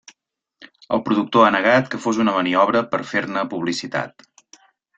El productor ha negat que fos una maniobra per fer-ne publicitat.